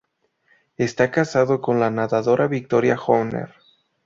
Está casado con la nadadora Victoria Horner.